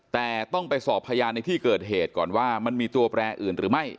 แต่ต้องไปสอบพยานในที่เกิดเหตุก่อนว่ามันมีตัวแปรอื่นหรือไม่